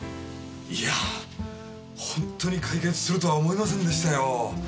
いやぁホントに解決するとは思いませんでしたよ。